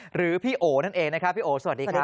หรือพี่โอ๋นั่นเองนะครับพี่โอ๋สวัสดีครับ